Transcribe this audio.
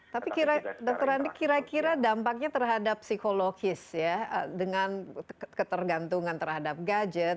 tapi dokter andi kira kira dampaknya terhadap psikologis ya dengan ketergantungan terhadap gadget